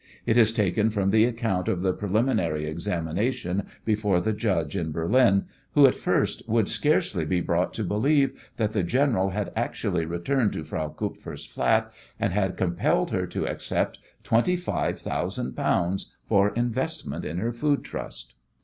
It is taken from the account of the preliminary examination before the judge in Berlin, who at first would scarcely be brought to believe that the general had actually returned to Frau Kupfer's flat, and had compelled her to accept twenty five thousand pounds for investment in her food trust.